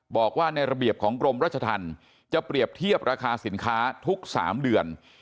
บอกว่าในระเบียบของกรมราชธรรมจะเปรียบเทียบราคาสินค้าทุก๓เดือน